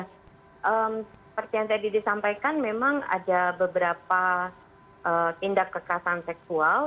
seperti yang tadi disampaikan memang ada beberapa tindak kekerasan seksual